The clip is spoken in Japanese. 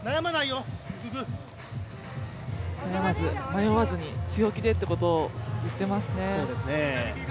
迷わずに、強気でということを言っていますね。